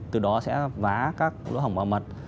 từ đó sẽ vá các lỗ hỏng vào mặt